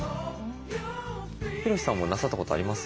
ヒロシさんもなさったことあります？